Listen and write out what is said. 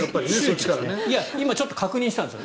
今、ちょっと確認したんです